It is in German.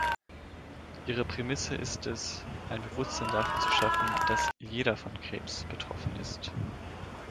Ihre Prämisse ist es, ein Bewusstsein dafür zu schaffen, dass jeder von Krebs betroffen ist.